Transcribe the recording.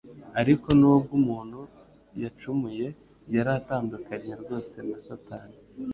Ariko, n'ubwo umuntu yacumuye, yari atandukanye rwose na Satani.